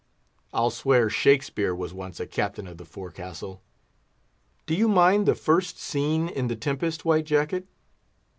I'll swear Shakspeare was once a captain of the forecastle. Do you mind the first scene in The Tempest, White Jacket?